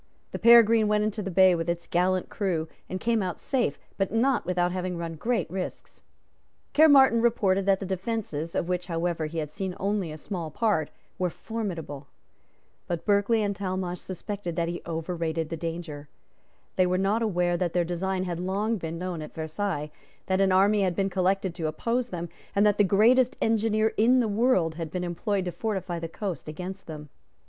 The Peregrine went into the bay with its gallant crew, and came out safe, but not without having run great risks. Caermarthen reported that the defences, of which however he had seen only a small part, were formidable. But Berkeley and Talmash suspected that he overrated the danger. They were not aware that their design had long been known at Versailles, that an army had been collected to oppose them, and that the greatest engineer in the world had been employed to fortify the coast against them.